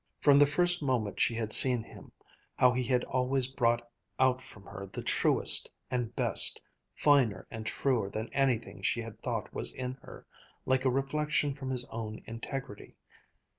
From the first moment she had seen him how he had always brought out from her the truest and best, finer and truer than anything she had thought was in her, like a reflection from his own integrity.